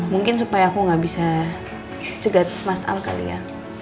mungkin supaya aku nggak bisa cegat mas al kali ya